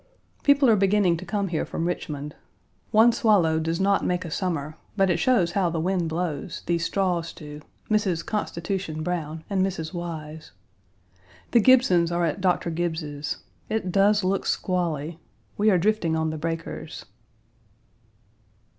People are beginning to come here from Richmond. One swallow does not make a summer, but it shows how the wind blows, these straws do Mrs. "Constitution" Browne and Mrs. Wise. The Gibsons are at Doctor Gibbes's It does look squally. We are drifting on the breakers.